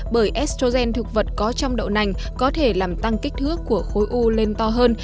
bởi estrogen thực vật có trong đậu nành có thể làm tăng kích thước của khối u lên to hơn